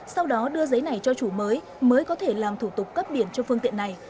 sau đó đưa giấy này cho chủ mới mới có thể làm thủ tục cấp biển cho phương tiện này